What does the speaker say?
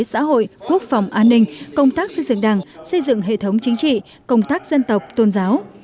xã hội quốc phòng an ninh công tác xây dựng đảng xây dựng hệ thống chính trị công tác dân tộc tôn giáo